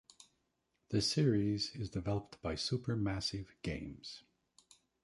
The series is developed by Supermassive Games.